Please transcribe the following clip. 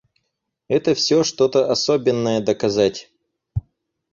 Это всё что-то особенное доказать.